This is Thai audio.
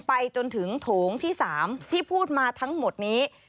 ไปจนถึงโถงที่๓ที่พูดมาทั้งหมดนี้